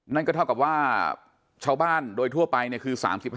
นั่นก็เท่ากับว่าชาวบ้านโดยทั่วไปเนี่ยคือ๓๕